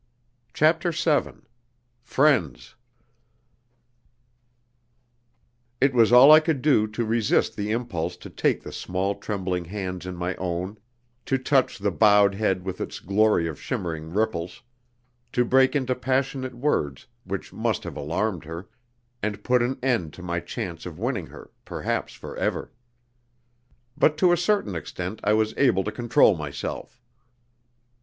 CHAPTER VII Friends It was all I could do to resist the impulse to take the small trembling hands in my own, to touch the bowed head with its glory of shimmering ripples, to break into passionate words which must have alarmed her, and put an end to my chance of winning her, perhaps for ever. But to a certain extent I was able to control myself.